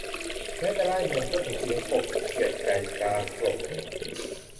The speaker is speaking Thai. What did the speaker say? แม้จะร่ายมนต์ ก็ถูกเสียงกบ เขียด ไก่ กา กลบหมด